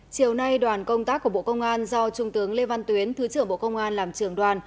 chiều nay đoàn công tác của bộ công an do trung tướng lê văn tuyến thứ trưởng bộ công an làm trường đoàn